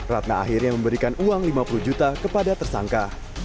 ratna akhirnya memberikan uang lima puluh juta kepada tersangka